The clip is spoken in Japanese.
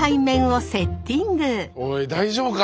おい大丈夫か？